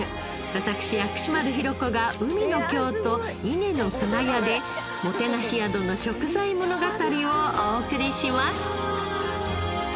私薬師丸ひろ子が海の京都・伊根の舟屋でもてなし宿の食材物語をお送りします。